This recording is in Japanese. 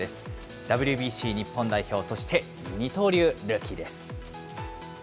ＷＢＣ日本代表、そして二刀流ルーキーです。